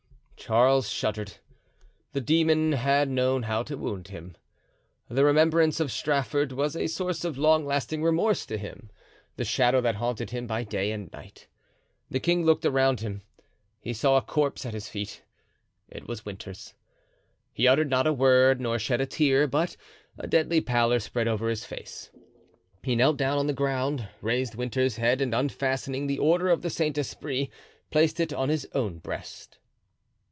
Charles shuddered. The demon had known how to wound him. The remembrance of Strafford was a source of lasting remorse to him, the shadow that haunted him by day and night. The king looked around him. He saw a corpse at his feet. It was Winter's. He uttered not a word, nor shed a tear, but a deadly pallor spread over his face; he knelt down on the ground, raised Winter's head, and unfastening the Order of the Saint Esprit, placed it on his own breast.